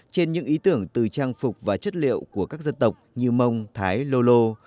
trên những ý tưởng từ trang phục và chất liệu của các dân tộc như mông thái lô lô